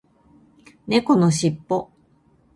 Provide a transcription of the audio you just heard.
猫のしっぽ